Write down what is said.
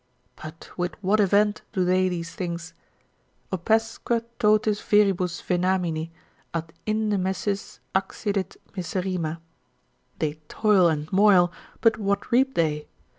But with what event do they these things? Opesque totis viribus venamini At inde messis accidit miserrima. They toil and moil, but what reap they?